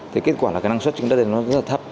thế kết quả là năng suất trên đất này rất là thấp